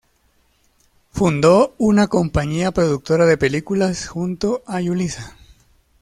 Fundó una compañía productora de películas junto a Julissa.